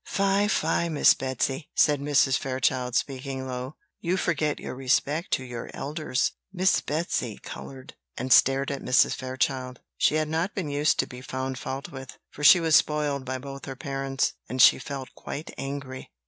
"Fie, fie, Miss Betsy!" said Mrs. Fairchild, speaking low; "you forget your respect to your elders." Miss Betsy coloured, and stared at Mrs. Fairchild. She had not been used to be found fault with; for she was spoiled by both her parents; and she felt quite angry.